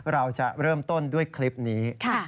เราจะเริ่มต้นด้วยคลิปนี้